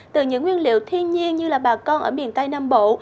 từ những nguyên liệu thiên nhiên như là bà con ở miền tây nam bộ